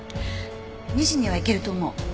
２時には行けると思う。